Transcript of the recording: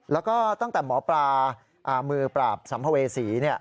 แล้วก็ตั้งแต่หมอปลามือปราบสัมภเวษี